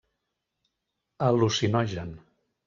Al·lucinogen.